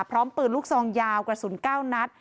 พร้อมปืนลูกซองยาวกระสุน๙นัด